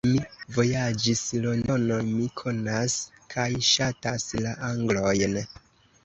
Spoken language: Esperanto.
Mi vojaĝis Londonon; mi konas kaj ŝatas la Anglojn.